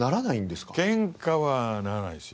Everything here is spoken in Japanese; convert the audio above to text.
ケンカはならないですよ。